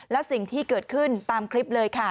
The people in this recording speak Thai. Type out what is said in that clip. แล้วสิ่งที่เกิดขึ้นตามคลิปเลยค่ะ